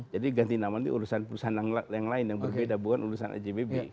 jadi ganti nama ini urusan perusahaan yang lain yang berbeda bukan urusan ajb